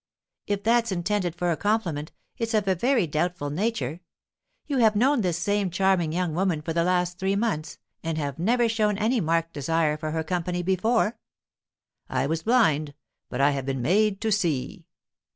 'If that's intended for a compliment, it's of a very doubtful nature. You have known this same charming young woman for the last three months, and have never shown any marked desire for her company before.' 'I was blind, but I have been made to see.